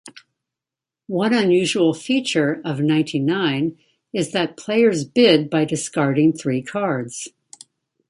One unusual feature of ninety-nine is that players bid by discarding three cards.